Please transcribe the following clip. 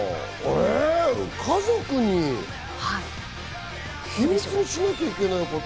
家族に秘密にしなきゃいけないこと？